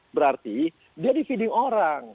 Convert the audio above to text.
berarti dia di feeding orang